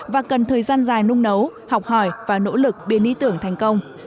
và cần thời gian dài nung nấu học hỏi và nỗ lực biến ý tưởng thành công